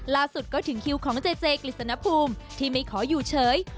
ล่าสุดก็ถึงคิวของเจเจกฤษณภูมิที่ไม่ขออยู่เฉย